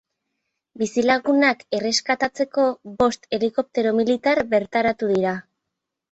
Bizilagunak erreskatatzeko bost helikoptero militar bertaratu dira.